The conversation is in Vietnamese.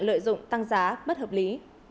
lợi dụng tăng giá bất hợp lý